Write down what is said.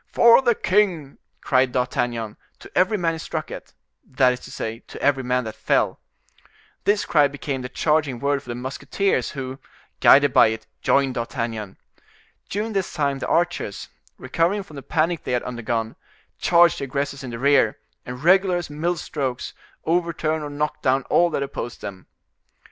"For the king!" cried D'Artagnan, to every man he struck at, that is to say, to every man that fell. This cry became the charging word for the musketeers, who, guided by it, joined D'Artagnan. During this time the archers, recovering from the panic they had undergone, charge the aggressors in the rear, and regular as mill strokes, overturn or knock down all that opposed them.